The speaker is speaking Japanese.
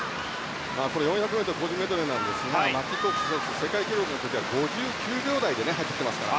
これ、４００ｍ個人メドレーなんですがマッキントッシュ選手世界記録では５９秒台で入ってきていますから。